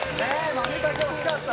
マツタケ惜しかった。